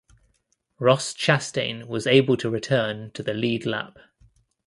Ross Chastain was able to return to the lead lap.